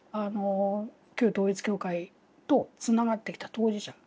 旧統一教会とつながってきた当事者。